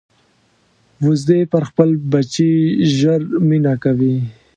وزې پر خپل بچي ژر مینه کوي